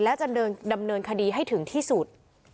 และจะดำเนินคดีให้ถึงที่สุด